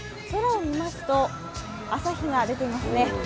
空を見ますと朝日が出ていますね。